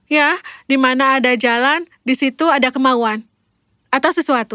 ya di mana ada jalan di situ ada kemauan atau sesuatu